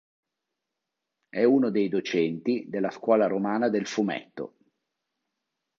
È uno dei docenti della "Scuola romana del fumetto".